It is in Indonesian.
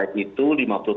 karena kita tahu bahwa